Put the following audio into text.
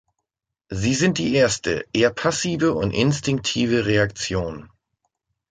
Sie sind die erste, eher passive und instinktive Reaktion.